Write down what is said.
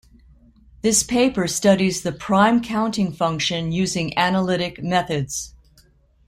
This paper studies the prime-counting function using analytic methods.